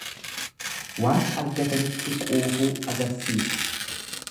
Waan argatanitti quufuu agarsiisa.